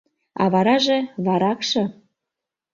А вараже — варакше...